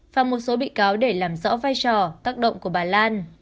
và một số bị cáo để làm rõ vai trò tác động của bà lan